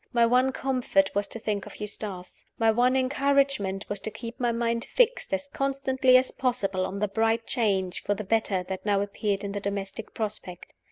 My one comfort was to think of Eustace. My one encouragement was to keep my mind fixed as constantly as possible on the bright change for the better that now appeared in the domestic prospect.